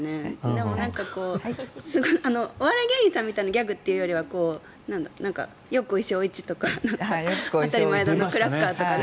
でも、お笑い芸人さんみたいなギャグというよりはよっこいしょういちとか当たり前だのクラッカーとかね。